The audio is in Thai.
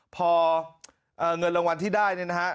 พอเงินรางวัลที่ได้เนี่ยนะฮะ